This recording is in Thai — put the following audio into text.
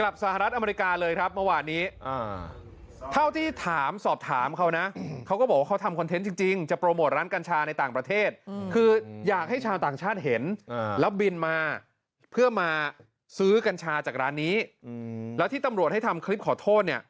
แล้วที่ตำรวจให้ทำคลิปขอโทษ